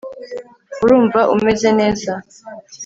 urumva umeze neza